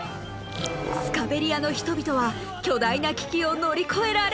スカベリアの人々は巨大な危機を乗り越えられるのか？